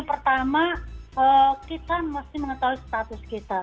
pertama kita mesti mengetahui status kita